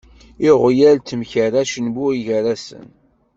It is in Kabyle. Iɣyal temkerracen buygarasen.